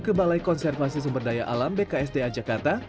ke balai konservasi sumber daya alam bksda jakarta